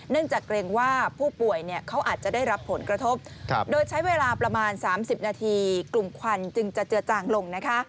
จากเกรงว่าผู้ป่วยเขาอาจจะได้รับผลกระทบโดยใช้เวลาประมาณ๓๐นาทีกลุ่มควันจึงจะเจือจางลงนะคะ